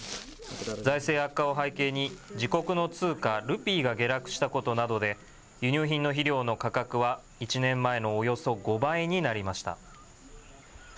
財政悪化を背景に自国の通貨、ルピーが下落したことなどで輸入品の肥料の価格は１年前のおよそ５倍になりました。